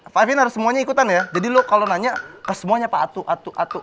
tapi ada kefirnya tapi harus semuanya ikutan ya jadi lu kalau nanya ke semuanya patuh atuh atuh